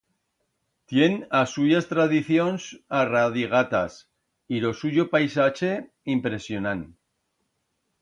Tien as suyas tradicions arradigatas y ro suyo paisache impresionant.